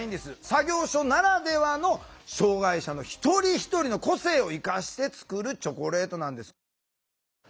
作業所ならではの障害者の一人一人の個性を生かして作るチョコレートなんです。